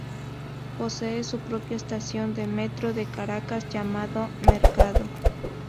Posee su propia estación del Metro de Caracas llamada Mercado.